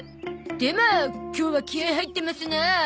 でも今日は気合入ってますなあ。